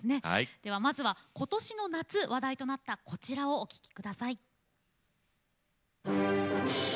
まずはことしの夏話題となったこちらをお聴きください。